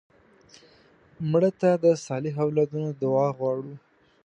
مړه ته د صالحو اولادونو دعا غواړو